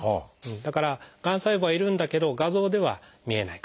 だからがん細胞はいるんだけど画像では見えない。